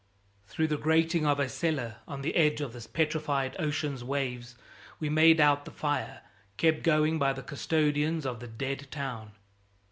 Through the grating of a cellar on the edge of this petrified ocean's waves, we made out the fire kept going by the custodians of the dead town.